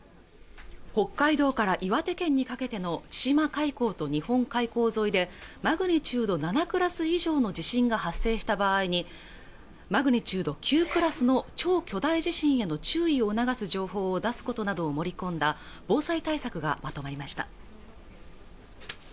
北海道から岩手県にかけての千島海溝と日本海溝沿いでマグニチュード７クラス以上の地震が発生した場合にマグニチュード９クラスの超巨大地震への注意を促す情報を出すことなどを盛り込んだ防災対策がまとまりました